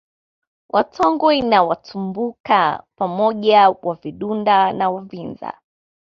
Watongwe na Watumbuka pamoja Wavidunda na Wavinza